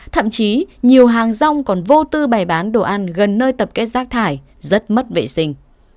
thậm chí nhiều hàng rong còn vô tư bày bán đồ ăn gần nơi tập kết rác thải rất mất vệ sinh